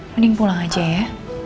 mending pulang aja ya